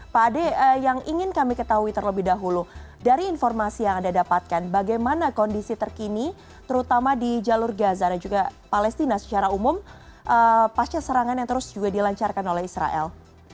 pak ade yang ingin kami ketahui terlebih dahulu dari informasi yang anda dapatkan bagaimana kondisi terkini terutama di jalur gaza dan juga palestina secara umum pasca serangan yang terus juga dilancarkan oleh israel